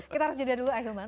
kita harus juda dulu ah hilman